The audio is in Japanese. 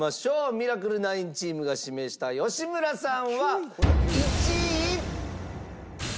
ミラクル９チームが指名した吉村さんは１位。